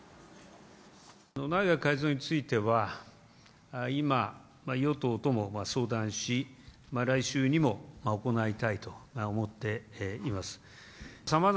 内閣改造については、今、与党とも相談し、来週にも行いたいと思っています。